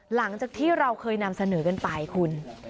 หลังจากที่เราเคยนำเสนอกันไปคุณ